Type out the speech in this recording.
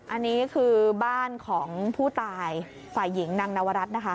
อันนี้คือบ้านของผู้ตายฝ่ายหญิงนางนวรัฐนะคะ